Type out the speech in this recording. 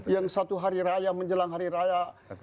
yang satu hari raya menjelang hari raya